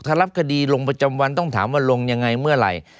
ถ้ารับคดีลงประจำวันต้องถามว่าลงยังไงเมื่อไหร่